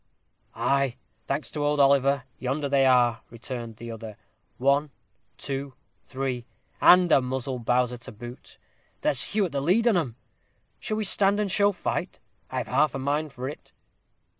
"Ay, thanks to old Oliver yonder they are," returned the other. "One two three and a muzzled bouser to boot. There's Hugh at the head on 'em. Shall we stand and show fight? I have half a mind for it."